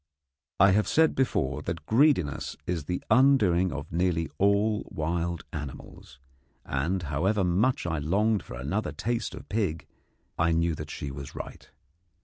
I have said before that greediness is the undoing of nearly all wild animals, and, however much I longed for another taste of pig, I knew that she was right.